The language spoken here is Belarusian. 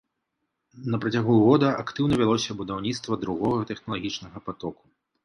На працягу года актыўна вялося будаўніцтва другога тэхналагічнага патоку.